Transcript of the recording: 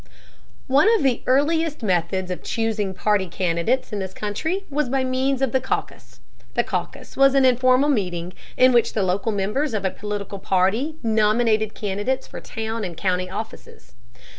One of the earliest methods of choosing party candidates in this country was by means of the caucus. The caucus was an informal meeting in which the local members of a political party nominated candidates for town and county offices.